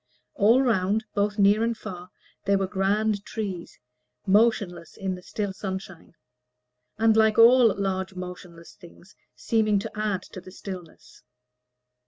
All round, both near and far, there were grand trees, motionless in the still sunshine, and, like all large motionless things, seemed to add to the stillness.